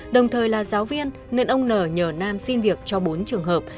đồng thời là giáo viên nên ông n nhờ nam xin việc cho bốn trường hợp